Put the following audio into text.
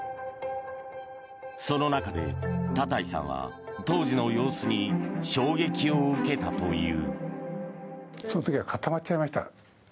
その中で多田井さんは当時の様子に衝撃を受けたという。